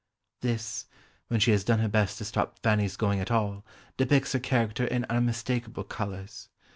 This, when she has done her best to stop Fanny's going at all, depicts her character in unmistakable colours.